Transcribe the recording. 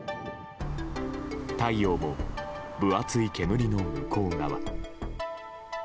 太陽も分厚い煙の向こう側。